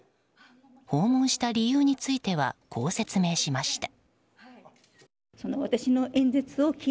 訪問した理由についてはこう説明しました。